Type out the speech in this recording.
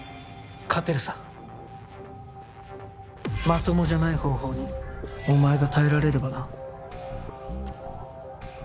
まともじゃない方法にお前が耐えられればな。